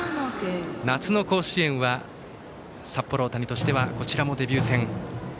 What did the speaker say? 夏の甲子園は札幌大谷としてはこちらもデビュー戦。